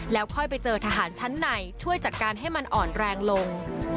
แล้วค่อยไปเจอทหารชั้นในช่วยจัดการให้มันอ่อนแรงลง